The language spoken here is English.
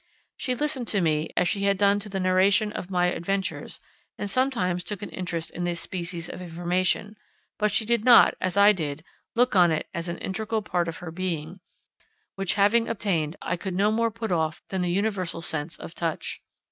She listened to me as she had done to the narration of my adventures, and sometimes took an interest in this species of information; but she did not, as I did, look on it as an integral part of her being, which having obtained, I could no more put off than the universal sense of touch.